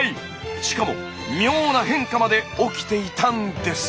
しかも妙な変化まで起きていたんです。